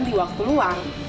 di waktu luang